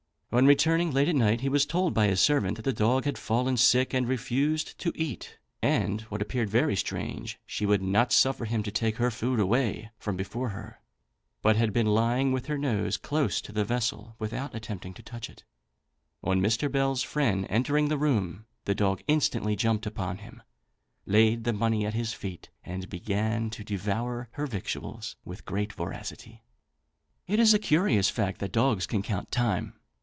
On returning late at night, he was told by his servant that the dog had fallen sick, and refused to eat, and, what appeared very strange, she would not suffer him to take her food away from before her, but had been lying with her nose close to the vessel, without attempting to touch it. On Mr. Bell's friend entering the room, the dog instantly jumped upon him, laid the money at his feet, and began to devour her victuals with great voracity. It is a curious fact that dogs can count time.